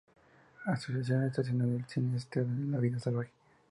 Asociación Internacional de Cineastas de Vida Salvaje.